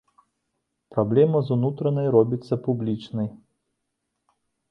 Праблема з унутранай робіцца публічнай.